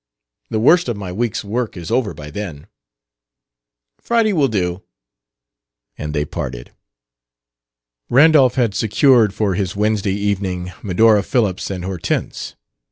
The worst of my week's work is over by then." "Friday will do." And they parted. Randolph had secured for his Wednesday evening Medora Phillips and Hortense.